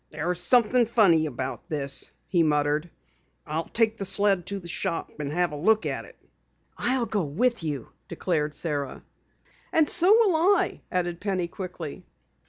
"There's something funny about this," he muttered. "I'll take the sled to the shop and have a look at it." "I'll go along with you," declared Sara. "And so will I," added Penny quickly.